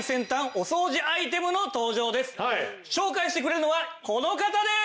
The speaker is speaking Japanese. さあまずは紹介してくれるのはこの方です！